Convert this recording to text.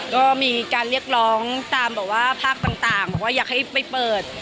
ก็มีการเรียกร้องตามแบบว่าภาคต่างบอกว่าอยากให้ไปเปิด